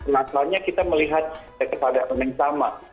nasalnya kita melihat kekepadanya sama